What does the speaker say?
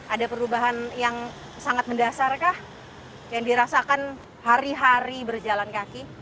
ada perubahan yang sangat mendasarkah yang dirasakan hari hari berjalan kaki